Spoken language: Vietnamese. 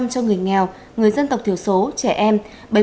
một trăm linh cho người nghèo người dân tộc thiểu số trẻ em